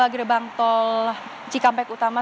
gerbang tol cikampek utama